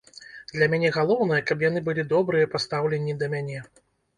Для мяне галоўнае, каб яны былі добрыя па стаўленні да мяне.